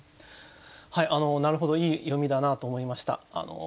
はいなるほどいい読みだなと思いました。